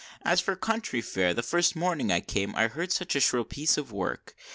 As for country fare, the first morning I came I heard such a shrill piece of work!